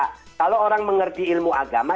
kalau orang mengerti ilmu agama